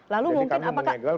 lalu mungkin apakah